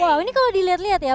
wow ini kalau dilihat lihat ya